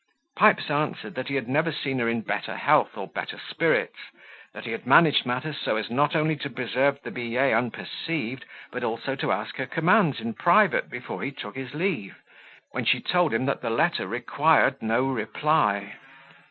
Pipes answered, that he had never seen her in better health or better spirits; that he had managed matters so as not only to present the billet unperceived, but also to ask her commands in private before he took his leave, when she told him that the letter required no reply.